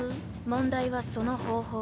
問題はその方法。